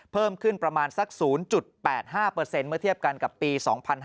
เพิ่มขึ้นประมาณสัก๐๘๕เมื่อเทียบกันกับปี๒๕๕๙